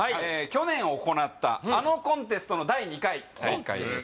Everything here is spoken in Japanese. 去年行ったあのコンテストの第２回大会です